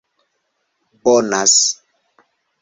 Bonas